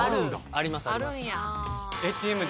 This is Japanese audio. ありますあります。